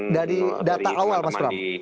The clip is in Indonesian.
dari data awal mas bram